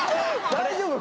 大丈夫？